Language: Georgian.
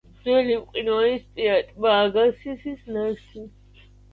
ძველი მყინვარისპირა ტბა აგასისის ნაშთი.